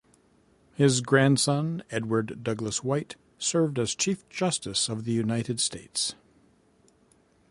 His grandson, Edward Douglass White, served as Chief Justice of the United States.